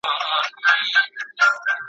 جدا یي